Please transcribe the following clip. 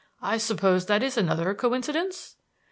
I suppose that is another coincidence?"